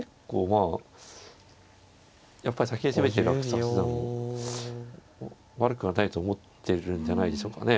まあやっぱり先に攻めてる阿久津八段も悪くはないと思ってるんじゃないでしょうかね。